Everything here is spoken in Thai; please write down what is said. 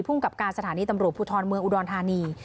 กับการสถานีตำรวจภูทรเมืองอุดรธานี